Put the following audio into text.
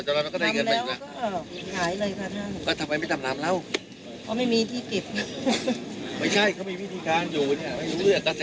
อ่ะทำไมไม่จำนำล่ะจำนำแล้วก็ได้เงินมาอยู่น่ะ